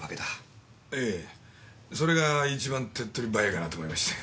ええそれが一番てっとり早いかなと思いまして。